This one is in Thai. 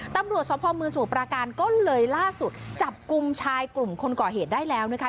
ตำรวจสภเมืองสมุทประการก็เลยล่าสุดจับกลุ่มชายกลุ่มคนก่อเหตุได้แล้วนะคะ